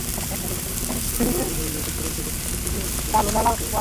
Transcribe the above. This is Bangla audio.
অসংখ্য আঘাতে জর্জরিত শরীর থেকে প্রচুর রক্তক্ষরণের কারণে তিনি ভূতলে লুটিয়ে পড়েন।